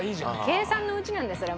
計算のうちなんですそれも。